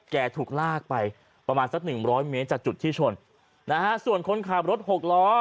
ถูกลากไปประมาณสักหนึ่งร้อยเมตรจากจุดที่ชนนะฮะส่วนคนขับรถหกล้อ